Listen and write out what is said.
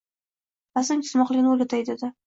Rasm chizmoqlikni o’rgatay», — dedi.